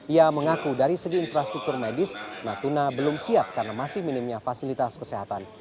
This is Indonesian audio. ia mengaku dari segi infrastruktur medis natuna belum siap karena masih minimnya fasilitas kesehatan